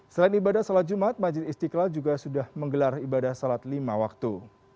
selain ibadah sholat jumat majid istiqlal juga sudah menggelar ibadah salat lima waktu